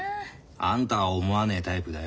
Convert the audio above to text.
あんたは思わねえタイプだよ。